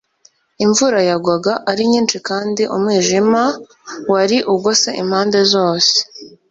Imvura yagwaga ari nyinshi kandi umwijima wari ugose impande zose